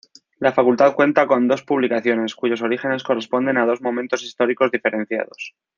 La Facultad cuenta con dos publicaciones, cuyos orígenes corresponden a dos momentos históricos diferenciados.